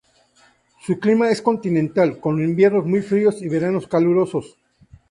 Su clima es continental con inviernos muy fríos y veranos calurosos.